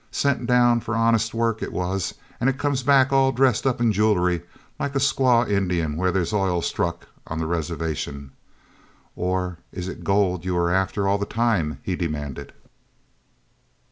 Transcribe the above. Sent down for honest work, it was, and it comes back all dressed up in jewelry like a squaw Indian whin there's oil struck on the reservation! Or is it gold ye were after all the time?" he demanded.